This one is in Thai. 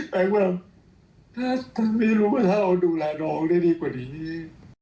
แปลว่าถ้าไม่รู้ว่าถ้าเราดูแลน้องได้ดีกว่านี้